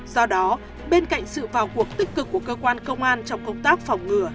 do đó bên cạnh sự vào cuộc tích cực của cơ quan công an trong công tác phòng ngừa